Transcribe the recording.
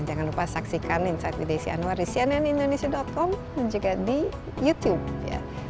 jangan lupa saksikan insight with desi anwar di cnnindonesia com dan juga di youtube ya